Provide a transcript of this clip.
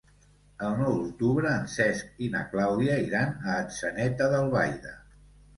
El nou d'octubre en Cesc i na Clàudia iran a Atzeneta d'Albaida.